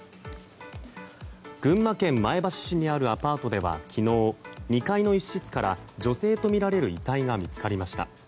群馬県前橋市にあるアパートでは昨日２階の一室から女性とみられる遺体が見つかりました。